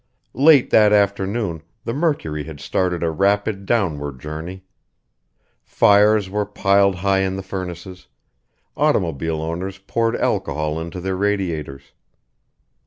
Late that afternoon the mercury had started a rapid downward journey. Fires were piled high in the furnaces, automobile owners poured alcohol into their radiators.